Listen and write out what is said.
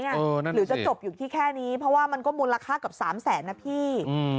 หรือจะจบอยู่ที่แค่นี้เพราะว่ามันก็มูลค่าเกือบ๓แสนนะพี่